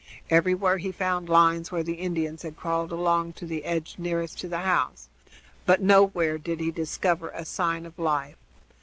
Everywhere he found lines where the Indians had crawled along to the edge nearest to the house, but nowhere did he discover a sign of life.